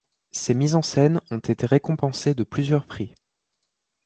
Ses mises en scène ont été récompensées de plusieurs prix.